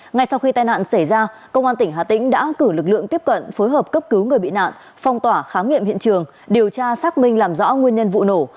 ngay sau khi tai nạn xảy ra công an tỉnh hà tĩnh đã cử lực lượng tiếp cận phối hợp cấp cứu người bị nạn phong tỏa khám nghiệm hiện trường điều tra xác minh làm rõ nguyên nhân vụ nổ